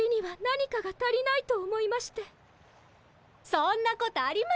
そんなことありません。